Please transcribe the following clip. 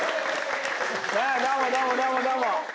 どうもどうもどうもどうも。